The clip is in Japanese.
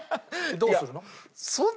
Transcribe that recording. どうするの？